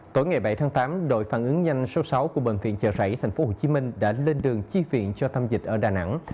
tối ngày bảy tháng tám đội phản ứng nhanh số sáu của bệnh viện chợ rẫy tp hcm đã lên đường chi viện cho thăm dịch ở đà nẵng